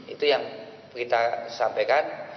itu yang kita sampaikan